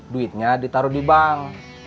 duitnya ditaruh di bank